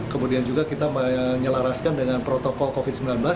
kemudian juga kita menyelaraskan dengan protokol covid sembilan belas